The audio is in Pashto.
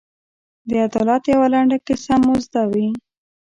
د عدالت یوه لنډه کیسه مو زده وي.